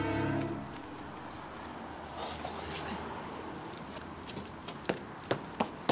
ここですね。